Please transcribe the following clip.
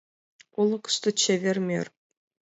Олыкышто чевер мӧр.